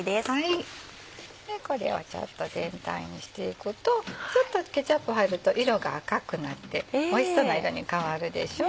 これをちょっと全体にしていくとちょっとケチャップ入ると色が赤くなっておいしそうな色に変わるでしょ。